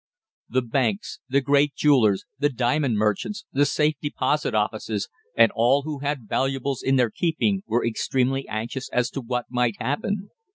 The banks, the great jewellers, the diamond merchants, the safe deposit offices, and all who had valuables in their keeping, were extremely anxious as to what might happen.